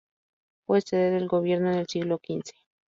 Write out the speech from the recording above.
Fue sede del gobierno en el siglo xv.